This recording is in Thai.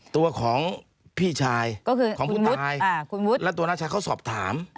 ตัวของพี่ชายของคุณตายและตัวหน้าชายเขาสอบถาม